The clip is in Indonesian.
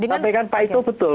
tapi kan pak ito betul